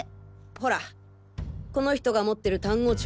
ホラこの人が持ってる単語帳。